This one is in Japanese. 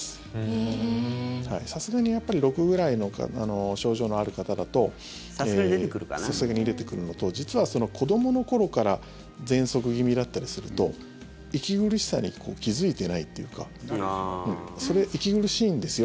さすがにやっぱり６ぐらいの症状のある方だとさすがに出てくるのと実は子どもの頃からぜんそく気味だったりすると息苦しさに気付いてないというか息苦しいんですよ。